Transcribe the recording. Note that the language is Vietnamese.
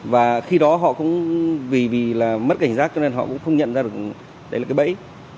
và khi đó họ cũng vì là mất cảnh giác cho nên họ cũng không nhận ra được đấy là cái bẫy